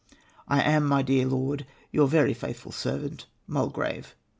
I am, my dear Lord, " Your very faithful servant, " MULGRAVE.